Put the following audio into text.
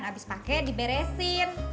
abis pake diberesin